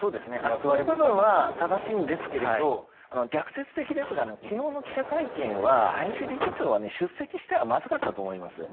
それは正しいんですが逆説的ですが昨日の記者会見は林理事長は出席してはまずかったと思います。